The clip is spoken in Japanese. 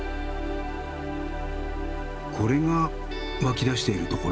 これが湧き出しているところ？